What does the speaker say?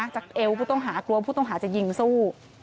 เอวผู้ต้องหากลัวผู้ต้องหาจะยิงสู้